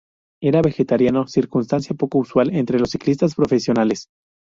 Era vegetariano, circunstancia poco usual entre los ciclistas profesionales.